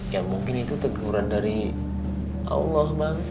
ya mungkin itu teguran dari allah bang